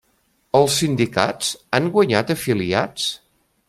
Els sindicats han guanyat afiliats?